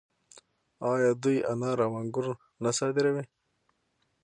آیا دوی انار او انګور نه صادروي؟